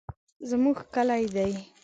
زمونږ کلي دي.